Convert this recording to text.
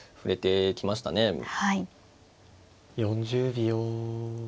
４０秒。